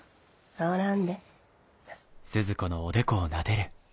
治らんで。